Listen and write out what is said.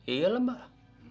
iya lah mbah